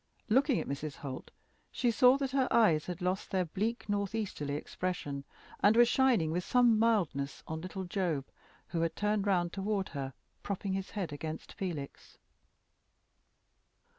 Looking at Mrs. Holt, she saw that her eyes had lost their bleak north easterly expression, and were shining with some mildness on little Job, who had turned round toward her, propping his head against Felix.